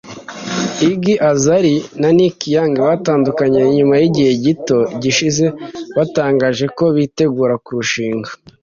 Iggy Azalea na Nick Young batandukanye nyuma y’igihe gito gishize batangaje ko bitegura kurushinga